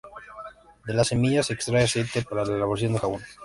De la semilla se extrae aceite para la elaboración de jabón.